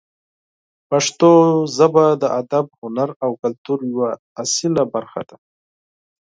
پښتو ژبه د ادب، هنر او کلتور یوه اصلي برخه ده.